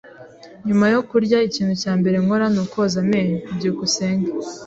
Nyuma yo kurya, ikintu cya mbere nkora nukwoza amenyo. byukusenge